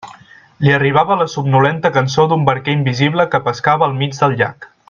Li arribava la somnolenta cançó d'un barquer invisible que pescava al mig del llac.